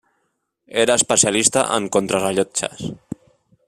Era especialista en contrarellotges.